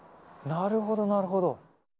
なるほど、なるほど。